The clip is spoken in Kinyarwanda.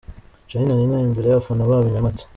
Charly na Nina imbere y'abafana babo i Nyamata.